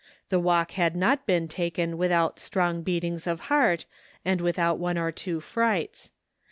The walk had not been taken without strong beatings of heart, and without one or two frights.